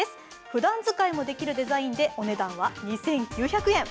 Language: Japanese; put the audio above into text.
ふだん使いもできるデザインでお値段は２９００円。